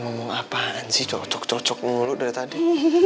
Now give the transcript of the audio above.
ngomong apaan sih cocok cocok lu dulu dari tadi